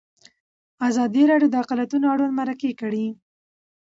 ازادي راډیو د اقلیتونه اړوند مرکې کړي.